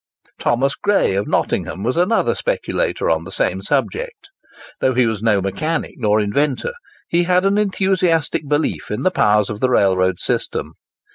Thomas Gray, of Nottingham, was another speculator on the same subject. Though he was no mechanic nor inventor, he had an enthusiastic belief in the powers of the railroad system.